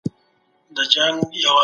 اقليمي شرايط په اخلاقو اغېز کوي.